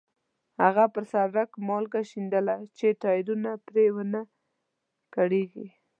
هغه پر سړک مالګه شیندله چې ټایرونه پرې ونه کړېږي.